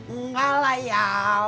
enggak lah ya